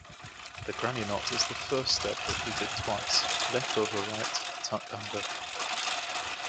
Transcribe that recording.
The granny knot is the first step repeated twice, "left over right, tuck under".